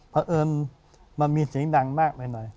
เพราะเอิญมันมีเสียงดังมากไปหน่อย